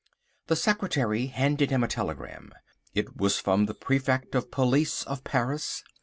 The secretary handed him a telegram. It was from the Prefect of Police of Paris.